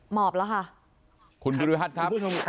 หมอบแล้วค่ะ